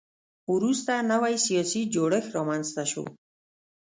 وروسته نوی سیاسي جوړښت رامنځته شو.